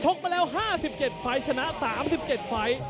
มาแล้ว๕๗ไฟล์ชนะ๓๗ไฟล์